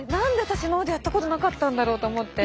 今までやったことなかったんだろうと思って。